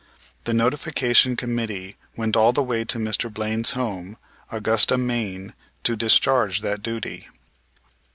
The notification committee went all the way to Mr. Blaine's home, Augusta, Maine, to discharge that duty.